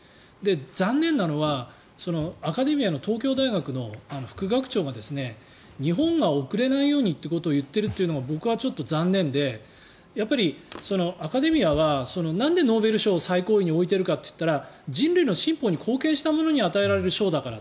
残念なのはアカデミアの東京大学の副学長が日本が遅れないようにということを言っているというのも僕はちょっと残念でやっぱりアカデミアはなんでノーベル賞を最高位に置いているかと言ったら人類の進歩に貢献した者に与えられる賞だから。